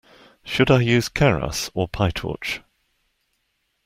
Should I use Keras or Pytorch?